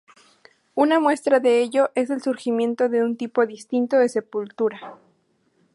Una muestra de ello es el surgimiento de un tipo distinto de sepultura.